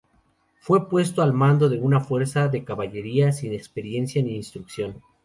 Fue puesto al mando de una fuerza de caballería sin experiencia ni instrucción.